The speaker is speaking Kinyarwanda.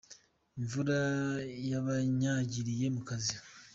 Imvura yabanyagiriye mukazi.